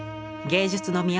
芸術の都